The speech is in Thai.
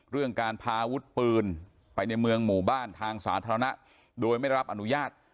เรื่องการพาวุฒิปืนไปในเมืองหมู่บ้านทางสาธารณะโดยไม่ได้รับอนุญาต